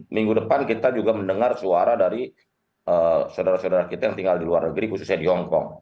minggu depan kita juga mendengar suara dari saudara saudara kita yang tinggal di luar negeri khususnya di hongkong